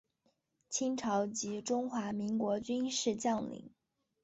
清朝及中华民国军事将领。